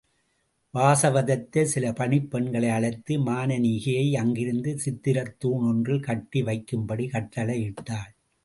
வாசவதத்தை சில பணிப் பெண்களை அழைத்து, மானனீகையை அங்கிருந்து சித்திரத் தூண் ஒன்றில் கட்டி வைக்கும்படி கட்டளையிட்டாள்.